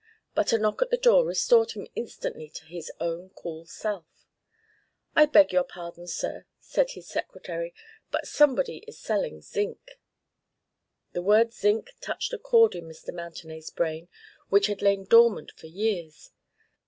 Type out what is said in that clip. But a knock at the door restored him instantly to his own cool self. "I beg your pardon, Sir," said his secretary, "but somebody is selling zinc." The word "Zinc" touched a chord in Mr. Mountenay's brain which had lain dormant for years.